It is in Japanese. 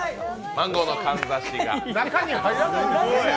マンゴーのかんざしが。